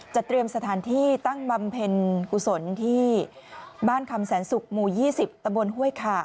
เตรียมสถานที่ตั้งบำเพ็ญกุศลที่บ้านคำแสนศุกร์หมู่๒๐ตะบนห้วยขา